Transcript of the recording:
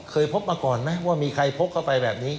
พบมาก่อนไหมว่ามีใครพกเข้าไปแบบนี้